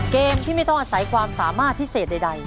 เกมที่ไม่ต้องอาศัยความสามารถพิเศษใด